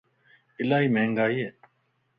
الائي مھنگائي ائي.